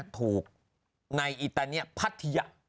ถูกในอิตาเนียพัทยะ